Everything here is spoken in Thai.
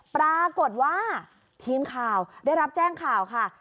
ปรากฏว่าทีมข่าวได้รับแจ้งข่าวค่ะ